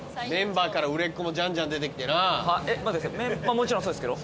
もちろんそうですけど。